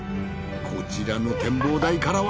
こちらの展望台からは。